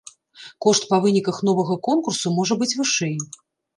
Кошт па выніках новага конкурсу можа быць вышэй.